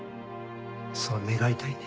そう願いたいね。